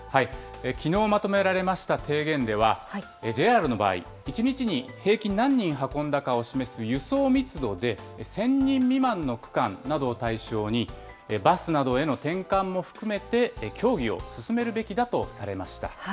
きのうまとめられました提言では、ＪＲの場合、１日に平均何人運んだかを示す、輸送密度で１０００人未満の区間などを対象に、バスなどへの転換も含めて協議を進めるべきだとされました。